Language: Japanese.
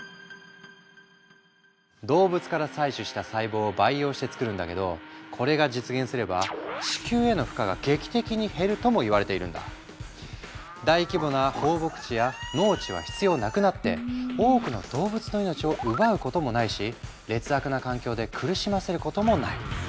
動物から採取した細胞を培養して作るんだけどこれが実現すれば大規模な放牧地や農地は必要なくなって多くの動物の命を奪うこともないし劣悪な環境で苦しませることもない。